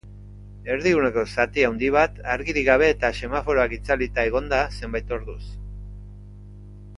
Erdiguneko zati handi bat argirik gabe eta semaforoak itzalita egon da zenbait orduz.